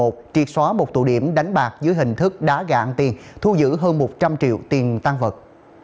triệt xóa một tụ điểm đánh bạc dưới hình thức đá gà ăn tiền thu giữ hơn một trăm linh triệu tiền tăng vật